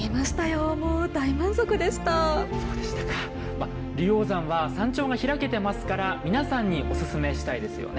まあ竜王山は山頂が開けてますから皆さんにおすすめしたいですよね。